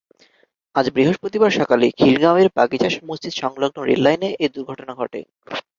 আজ বৃহস্পতিবার সকালে খিলগাঁওয়ের বাগিচা মসজিদসংলগ্ন রেললাইনে এ দুর্ঘটনা ঘটে।